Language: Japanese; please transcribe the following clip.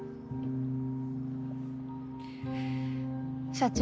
社長。